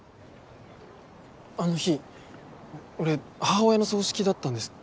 あの日俺母親の葬式だったんです。